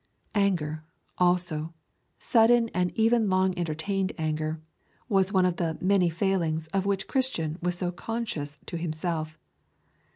Anger, also, sudden and even long entertained anger, was one of the 'many failings' of which Christian was so conscious to himself.